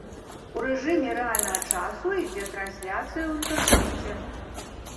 У рэжыме рэальнага часу ідзе трансляцыя ў інтэрнэце.